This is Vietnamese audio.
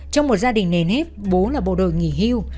trong một gia đình nền nếp bố là bộ đội nghỉ hưu